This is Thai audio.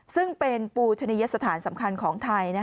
ซึ่งเป็นปูชนียสถานสำคัญของไทย